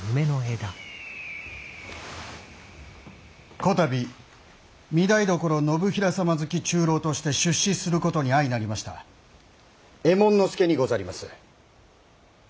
こたび御台所信平様づき中臈として出仕することに相成りました右衛門佐にござります。